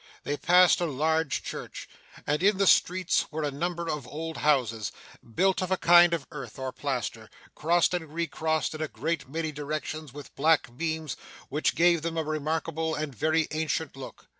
They passed a large church; and in the streets were a number of old houses, built of a kind of earth or plaster, crossed and re crossed in a great many directions with black beams, which gave them a remarkable and very ancient look.